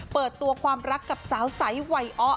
เปิดตัวความรักกับสาวใสวัยอ้อ